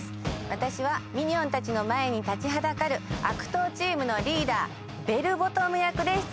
私はミニオンたちの前に立ちはだかる悪党チームのリーダーベル・ボトム役で出演しています。